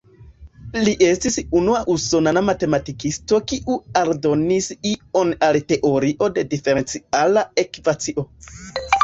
Li estis unua usonana matematikisto kiu aldonis ion al teorio de diferenciala ekvacio.